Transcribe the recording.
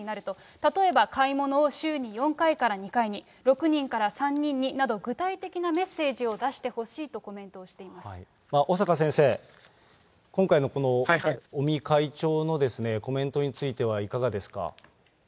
例えば買い物を週に４回から２回に、６人から３人になど、具体的なメッセージを出してほしいとコ小坂先生、今回のこの尾身会長のコメントについては、いかがですか。